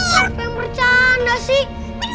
siapa yang bercanda sih